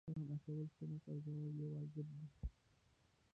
سلام اچول سنت او جواب یې واجب دی